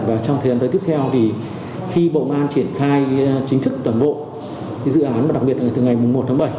và trong thời gian tới tiếp theo thì khi bộ công an triển khai chính thức toàn bộ dự án mà đặc biệt là từ ngày một tháng bảy